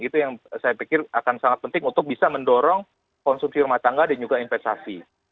itu yang saya pikir akan sangat penting untuk bisa mendorong konsumsi rumah tangga dan juga investasi